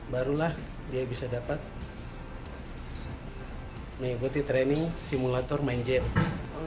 barulah dia bisa dapat mengikuti training simulator main game